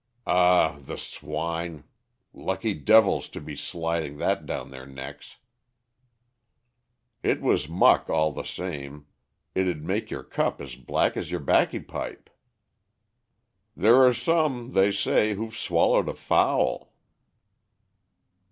"Ah, the swine! Lucky devils to be sliding that down their necks." "It was muck, all the same, it'd make your cup as black as your baccy pipe." "There are some, they say, who've swallowed a fowl."